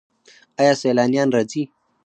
آیا سیلانیان راځي؟